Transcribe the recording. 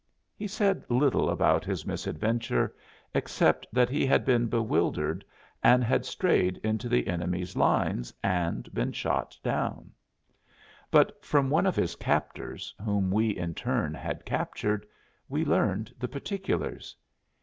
He said little about his misadventure, except that he had been bewildered and had strayed into the enemy's lines and been shot down; but from one of his captors, whom we in turn had captured, we learned the particulars.